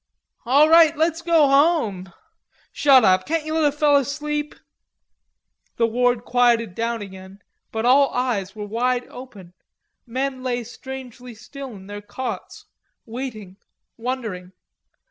"All right; let's go home." "Shut up, can't you let a feller sleep?" The ward quieted down again, but all eyes were wide open, men lay strangely still in their cots, waiting, wondering.